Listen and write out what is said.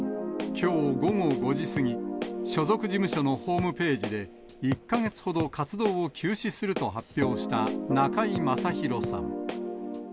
きょう午後５時過ぎ、所属事務所のホームページで、１か月ほど活動を休止すると発表した中居正広さん。